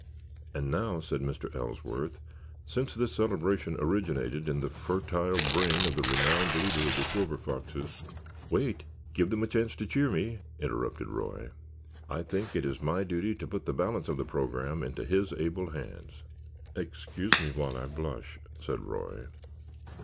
"And now," said Mr. Ellsworth, "since this celebration originated in the fertile brain of the renowned leader of the Silver Foxes——" "Wait, give them a chance to cheer me," interrupted Roy. "I think it is my duty to put the balance of our program into his able hands." "Excuse me while I blush," said Roy.